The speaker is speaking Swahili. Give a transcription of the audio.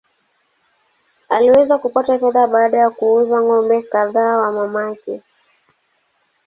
Aliweza kupata fedha baada ya kuuza ng’ombe kadhaa wa mamake.